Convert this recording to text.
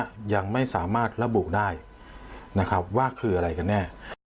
ยังไม่สามารถระบุได้นะครับว่าคืออะไรกันแน่